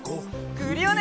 クリオネ！